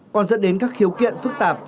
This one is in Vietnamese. còn dẫn đến các hiếu kiện phức tạp